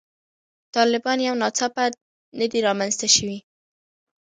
طالبان یو ناڅاپه نه دي رامنځته شوي.